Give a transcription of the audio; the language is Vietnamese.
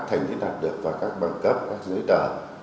thành thiết đạt được vào các băng cấp các giới tờ